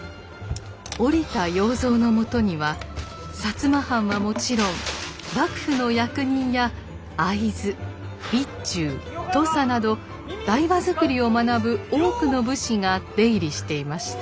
折田要蔵のもとには摩藩はもちろん幕府の役人や会津備中土佐など台場作りを学ぶ多くの武士が出入りしていました。